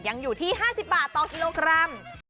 อยู่ที่๕๐บาทต่อกิโลกรัม